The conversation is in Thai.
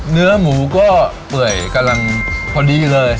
เนื้อหมูก็เปื่อยกำลังพอดีเลย